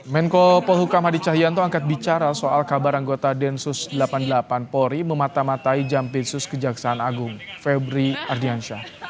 menko polhukam hadi cahyanto angkat bicara soal kabar anggota densus delapan puluh delapan polri memata matai jampitsus kejaksaan agung febri ardiansyah